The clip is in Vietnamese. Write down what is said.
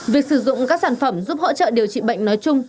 việc sử dụng các sản phẩm giúp hỗ trợ điều trị bệnh nói chung